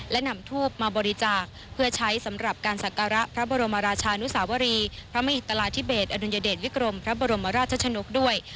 และนำทูบมาบริจาคเพื่อใช้สำหรับการศักระพระบรมราชานุสาวรีพระมหิตราธิเบสอดุญเดชวิกรมพระบรมราชชนกด้วย